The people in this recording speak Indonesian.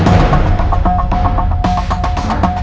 crispus keluar ak hysteria ini